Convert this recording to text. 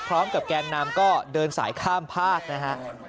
พร้อมกับแกนนำก็เดินสายข้ามภาคนะครับ